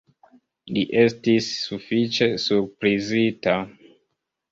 Li estis sufiĉe surprizita.